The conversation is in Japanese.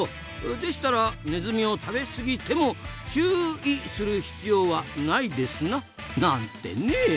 でしたらネズミを食べ過ぎても「チューい」する必要はないですな！なんてね。